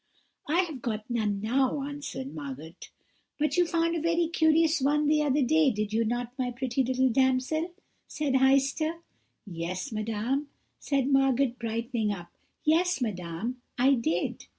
"'I have got none now,' answered Margot. "'But you found a very curious one the other day, did you not, my pretty little damsel?' said Heister. "'Yes, madame,' said Margot, brightening up; 'yes, madame, I did.'